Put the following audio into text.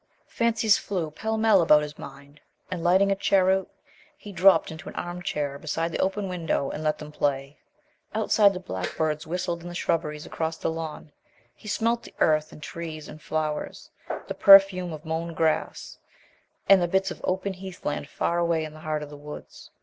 Fancies flew pell mell about his mind, and, lighting a cheroot, he dropped into an armchair beside the open window and let them play. Outside the blackbirds whistled in the shrubberies across the lawn. He smelt the earth and trees and flowers, the perfume of mown grass, and the bits of open heath land far away in the heart of the woods.